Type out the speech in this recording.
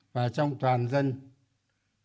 và trong toàn dân tộc ta